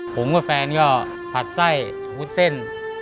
ผมกับแฟนก็ผัดไส้วุ้นเส้น